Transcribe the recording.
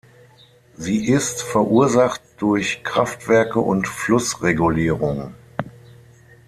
Sie ist verursacht durch Kraftwerke und Flussregulierung.